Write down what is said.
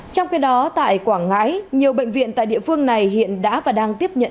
trong khi đó tại quảng ngãi nhiều bệnh viện tại địa phương này hiện đã và đang tiếp nhận